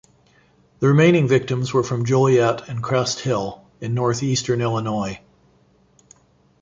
The remaining victims were from Joliet and Crest Hill, in North Eastern Illinois.